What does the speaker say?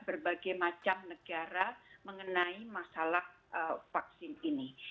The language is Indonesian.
berbagai macam negara mengenai masalah vaksin ini